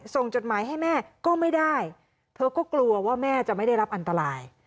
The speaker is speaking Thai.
จดหมายให้แม่ก็ไม่ได้เธอก็กลัวว่าแม่จะไม่ได้รับอันตราย